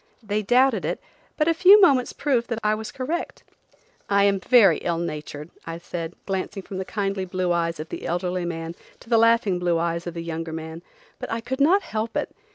They doubted it, but a few moments proved that I was correct. "I am very ill natured," I said, glancing from the kindly blue eyes of the elderly man to the laughing blue eyes of the younger man; "but I could not help it.